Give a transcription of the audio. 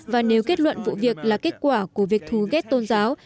và nếu kết luận vụ việc là kết quả của việc thú ghét tôn giáo